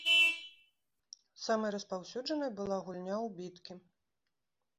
Самай распаўсюджанай была гульня ў біткі.